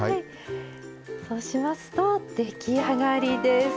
そうしますと出来上がりです。